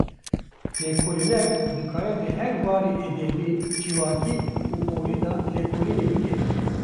Lêkolîner, dikare di her warê edebî, civakî û olî de lêkolînê bike